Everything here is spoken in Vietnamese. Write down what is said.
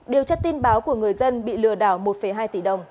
điều tra tin báo của người dân bị lừa đảo một hai tỷ đồng